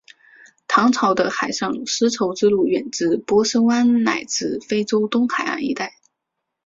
唐朝的海上丝绸之路远至波斯湾乃至非洲东海岸一带。